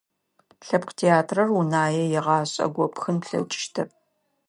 Лъэпкъ театрэр Унае игъашӀэ гопхын плъэкӀыщтэп.